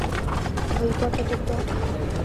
امریکا کا ٹک ٹاک